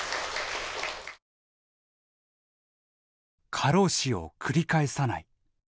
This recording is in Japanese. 過労死を繰り返さない。